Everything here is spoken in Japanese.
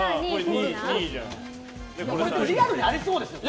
リアルにありそうですよね。